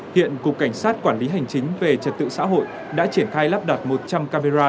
hiện cục cảnh sát quản lý hành chính về trật tự xã hội đã triển khai lắp đặt một trăm linh camera